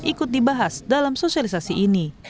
ikut dibahas dalam sosialisasi ini